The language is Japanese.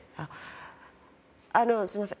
あのすみません